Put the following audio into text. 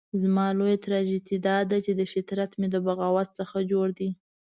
زما لويه تراژیدي داده چې فطرت مې د بغاوت څخه جوړ دی.